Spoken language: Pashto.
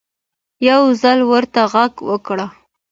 يو ځل ورته غږ وکړه